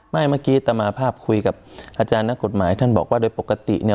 เมื่อกี้อัตมาภาพคุยกับอาจารย์นักกฎหมายท่านบอกว่าโดยปกติเนี่ย